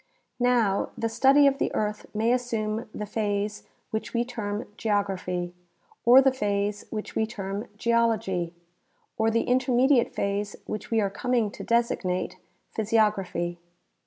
Now, the study of the earth may assume the phase which we term geography, or the phase which we term geology, or the intermediate phase which we are coming to designate phj' siog raphy.